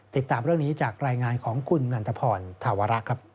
ติดตามเรื่องนี้จากรายงานของคุณนันทพรธาวระครับ